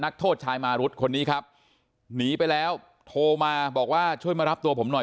นักโทษชายมารุธคนนี้ครับหนีไปแล้วโทรมาบอกว่าช่วยมารับตัวผมหน่อย